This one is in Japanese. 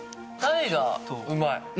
鯛がうまい！